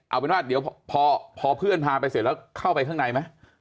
เอาเป็นว่าเดี๋ยวพอเพื่อนพาไปเสร็จแล้วเข้าไปข้างในไหม